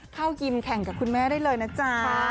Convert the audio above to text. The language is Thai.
ยิมแข่งกับคุณแม่ได้เลยนะจ๊ะ